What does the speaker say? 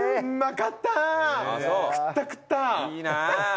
食った食った。